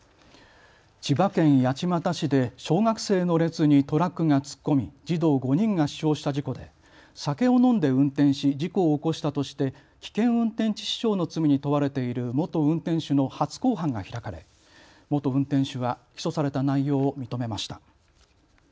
千葉県八街市で小学生の列にトラックが突っ込み、児童５人が死傷した事故で酒を飲んで運転し事故を起こしたとして危険運転致死傷の罪に問われている元運転手の初公判が開かれ元運転手は起訴された内容を認めました。